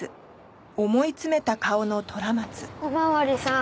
お巡りさん。